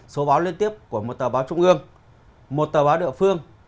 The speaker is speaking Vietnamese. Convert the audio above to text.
số báo liên tiếp của một tờ báo trung ương một tờ báo địa phương